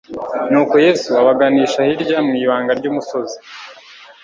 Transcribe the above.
nuko Yesu abaganisha hirya mu ibanga ry'umusozi.